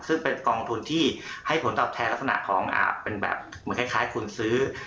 ซึ่งเป็นกองทุนที่ให้ผลตอบแทนลักษณะของเป็นแบบเหมือนคล้ายคุณซื้อ